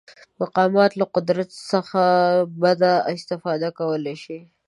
مقامات له قدرت څخه بده استفاده کولی شي.